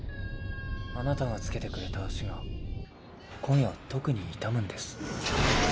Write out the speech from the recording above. あなたが付けてくれた足が今夜は特に痛むんです。